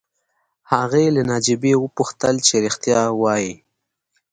هغې له ناجیې وپوښتل چې رښتیا وایې